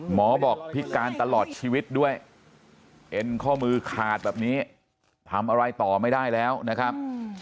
หมอบอกพิการตลอดชีวิตด้วยเอ็นข้อมือขาดแบบนี้ทำอะไรต่อไม่ได้แล้วนะครับ